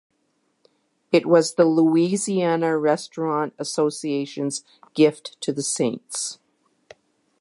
It was the Louisiana Restaurant Association's gift to the Saints.